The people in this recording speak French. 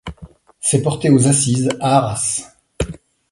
C’est porté aux assises, à Arras.